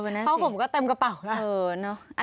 เพราะข้าวขมก็เต็มกระเป๋าล่ะ